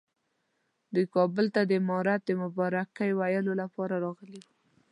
دوی کابل ته د امارت د مبارکۍ ویلو لپاره راغلي وو.